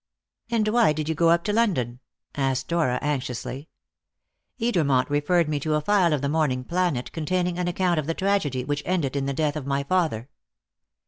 "And why did you go up to London?" asked Dora anxiously. "Edermont referred me to a file of the Morning Planet, containing an account of the tragedy which ended in the death of my father."